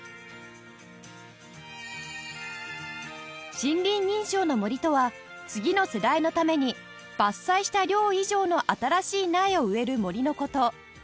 森林認証の森とは次の世代のために伐採した量以上の新しい苗を植える森の事